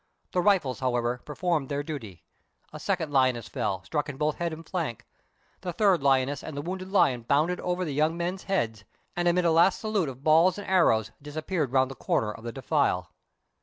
The rifles, however, performed their duty. A second lioness fell, struck in both head and flank. The third lioness and the wounded lion bounded over the young men's heads, and amid a last salute of balls and arrows disappeared round the corner of the defile.